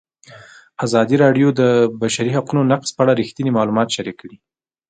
ازادي راډیو د د بشري حقونو نقض په اړه رښتیني معلومات شریک کړي.